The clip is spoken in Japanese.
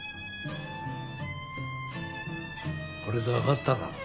これでわかったろ？